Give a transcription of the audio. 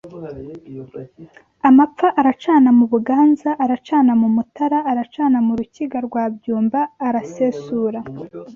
amapfa aracana mu Buganza aracana mu Mutara aracana mu Rukiga rwa Byumba arasesura